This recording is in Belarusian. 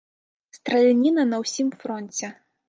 Страляніна на ўсім фронце.